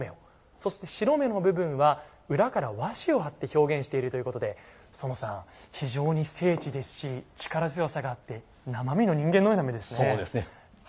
そして白目の部分は裏から和紙を貼って表現しているということで爾さん、非常に精緻ですし力強さがあってそうですね。